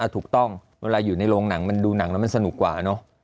ถูกต้องเวลาอยู่ในโรงหนังมันดูหนังแล้วมันสนุกกว่าเนอะ